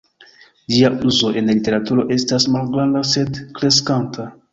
Ĝia uzo en literaturo estas malgranda sed kreskanta.